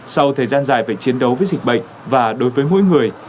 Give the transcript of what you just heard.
sau thời gian dài về chiến đấu với dịch bệnh và đối với mỗi người